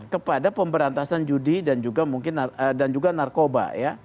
kepada pemberantasan judi dan juga narkoba